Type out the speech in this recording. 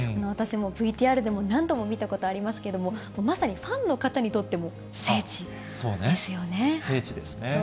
私もＶＴＲでも何度も見たことありますけれども、まさにファンの方にとっても聖地聖地ですね。